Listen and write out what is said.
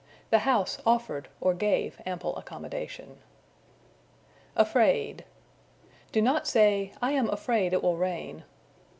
The house offered, or gave, ample accommodation. Afraid. Do not say, "I am afraid it will rain."